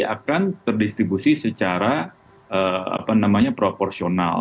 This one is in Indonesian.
akan terdistribusi secara proporsional